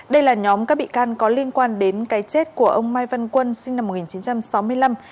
đây là nhóm các bị can có liên quan đến cái chết của ông mai văn quân sinh năm một nghìn chín trăm sáu mươi năm